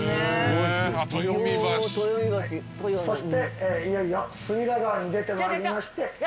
そしていよいよ隅田川に出てまいりまして。